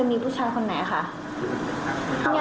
อันนี้สอนด้วยความโปรแกรมค่ะ